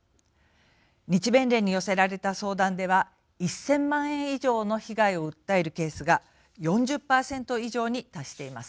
日弁連に寄せられた相談では、１０００万円以上の被害を訴えるケースが４０％以上に達しています。